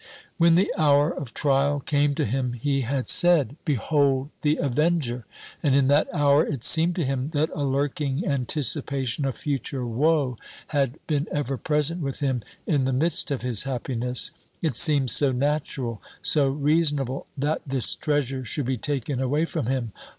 When the hour of trial came to him he had said, "Behold the avenger!" and in that hour it seemed to him that a lurking anticipation of future woe had been ever present with him in the midst of his happiness, it seemed so natural, so reasonable that this treasure should be taken away from him.